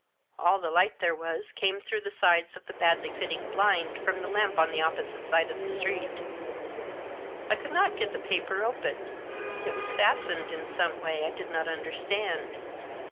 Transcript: All the light there was came through the sides of the badly fitting blind from the lamp on the opposite side of the street I could not get the paper open. It was fastened in some way I did not under stand.